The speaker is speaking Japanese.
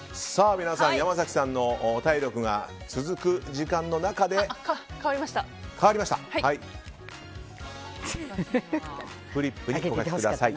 皆さん、山崎さんの体力が続く時間の中でお答えください。